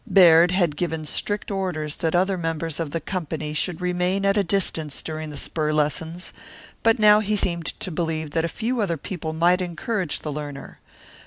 Baird had given strict orders that other members of the company should remain at a distance during the spur lessons, but now he seemed to believe that a few other people might encourage the learner.